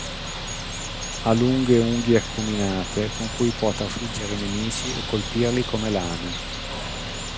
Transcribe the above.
Ha lunghe unghie acuminate con cui può trafiggere i nemici o colpirli come lame.